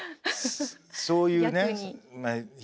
あっそういうね。